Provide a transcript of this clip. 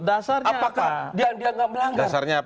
apakah dia nggak melanggar